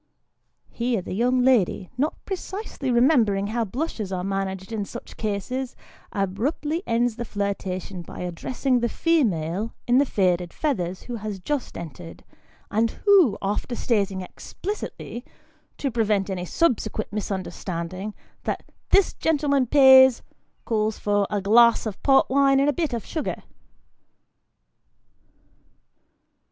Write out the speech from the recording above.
Here the young lady, not precisely remembering how blushes are managed in such cases, abruptly ends the flirtation by addressing the female in the faded feathers who has just entered, and who, after stating explicitly, to prevent any subsequent misunderstand ing, that " this gentleman pays," calls for "a glass of port wine and a bit of sugar."